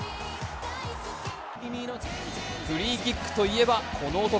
フリーキックといえば、この男。